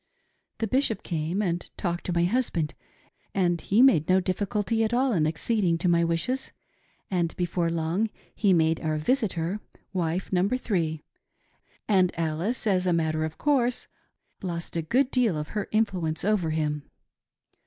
The Bishop came and talked to my husband, and he made no difficulty at all in acceding to my wishes, and before long he made our visitor — wife, number three ; and Alice, as a matter of course, lost a good deal of her influence over him.